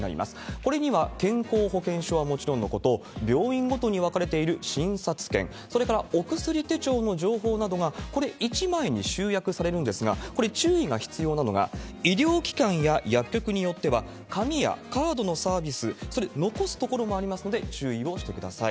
これには、健康保険証はもちろんのこと、病院ごとに分かれている診察券、それからお薬手帳の情報などが、これ一枚に集約されるんですが、これ、注意が必要なのが、医療機関や薬局によっては、紙やカードのサービス、それ、残すところもありますので、注意をしてください。